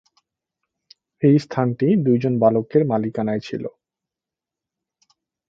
এই স্থানটি দুইজন বালকের মালিকানায় ছিল।